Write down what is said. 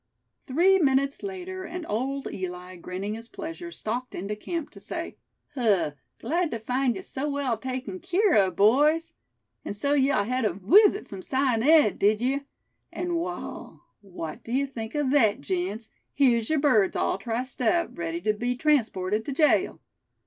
Three minutes later, and Old Eli, grinning his pleasure, stalked into camp, to say: "Huh! glad tuh find ye so well taken keer of, boys. An' so yeou hed a wisit frum Si an' Ed, did yeou; an' wall, what d'ye think o' thet, gents, here's yer birds all triced up, ready tew be transported to jail.